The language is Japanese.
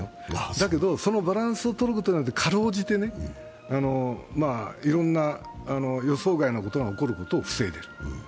だけど、そのバランスをとることによって、辛うじて、いろんな予想外のことが起こることを防いでいる。